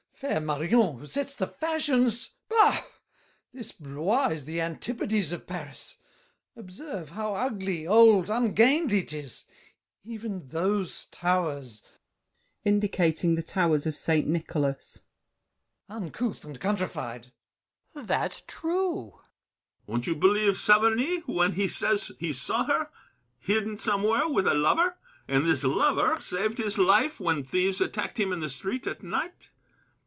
Fair Marion, who sets the fashions! Bah! This Blois is the antipodes of Paris. Observe! How ugly, old, ungainly, 'tis! Even those towers— [Indicating the towers of St. Nicholas. Uncouth and countrified! ROCHEBARON. That's true. BRICHANTEAU. Won't you believe Saverny when He says he saw her, hidden somewhere with A lover, and this lover saved his life When thieves attacked him in the street at night?